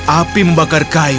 api membakar kayu